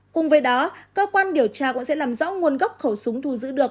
cùng với đó cơ quan điều tra cũng sẽ làm rõ nguồn gốc khẩu súng thu giữ được